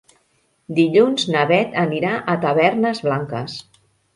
Dilluns na Bet anirà a Tavernes Blanques.